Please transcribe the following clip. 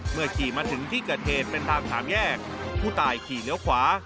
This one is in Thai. ขี่มาถึงที่เกิดเหตุเป็นทางสามแยกผู้ตายขี่เลี้ยวขวา